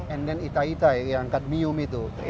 and then itai itai yang kadmium itu